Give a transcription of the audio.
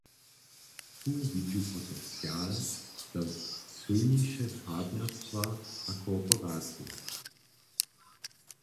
Tu widźu potencial za sylniše partnerstwa a kooperacije.